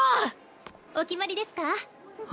お決まりですか？